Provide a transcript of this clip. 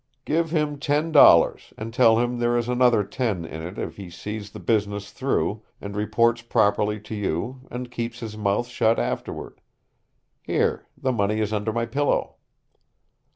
Give him ten dollars and tell him there is another ten in it if he sees the business through, and reports properly to you, and keeps his mouth shut afterward. Here the money is under my pillow."